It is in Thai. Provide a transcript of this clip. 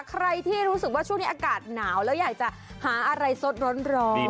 ใครที่รู้สึกว่าช่วงนี้อากาศหนาวแล้วอยากจะหาอะไรสดร้อน